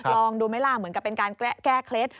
ลองดูไหมล่ะเหมือนกับเป็นการแก้เคล็ด